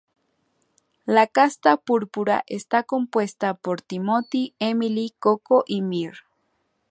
La casta púrpura está compuesta por Timothy, Emily, Coco, Mr.